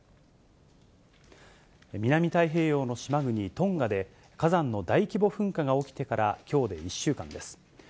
南太平洋の島国、トンガで火山の大規模噴火が起きてからきょうで１週間です。